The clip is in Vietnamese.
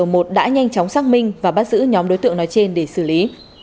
đã nhanh chóng xác minh và bắt giữ nhóm đối tượng nói trên để xử lý